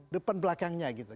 depan belakangnya gitu